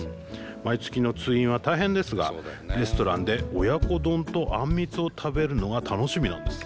毎月の通院は大変ですがレストランで親子丼とあん蜜を食べるのが楽しみなんです。